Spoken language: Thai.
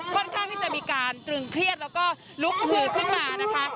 ค่อนข้างที่จะมีการตรึงเครียดแล้วก็ลุกหือขึ้นมานะคะ